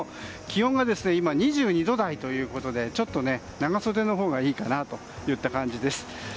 気温が今２２度台ということでちょっと長袖のほうがいいかなといった感じです。